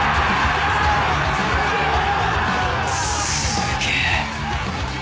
すげえ。